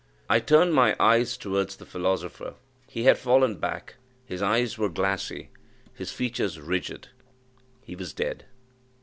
I turned my eyes towards the philosopher; he had fallen back his eyes were glassy his features rigid he was dead!